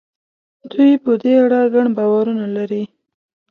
دوی په دې اړه ګڼ باورونه لري.